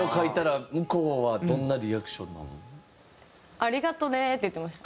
「ありがとね」って言ってました。